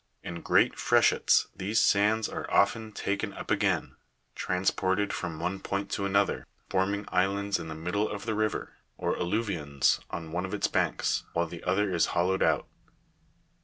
In great freshets these sands are often taken up again, transported from one point to another, forming islands in the middle of the river, or alluvions on one of its banks, while the other is hollowed out.